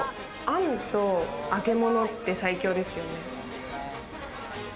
あんと揚げ物って最強ですよね。